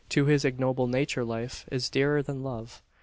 To his ignoble nature life is dearer than love.